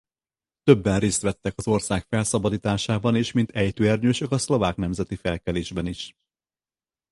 Többen részt vettek az ország felszabadításában és mint ejtőernyősök a Szlovák Nemzeti Felkelésben is.